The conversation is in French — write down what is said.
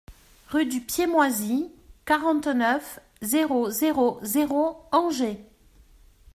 RUE DU PIED MOISI, quarante-neuf, zéro zéro zéro Angers